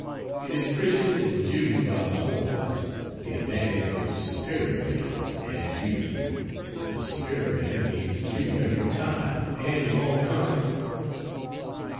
It is Christian and Jew by the horns the advantage with the superior man, as usual the superior man being the Jew every time and in all countries.